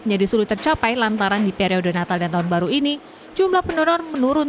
menjadi sulit tercapai lantaran di periode natal dan tahun baru ini jumlah pendonor menurun